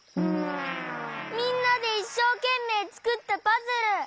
みんなでいっしょうけんめいつくったパズル！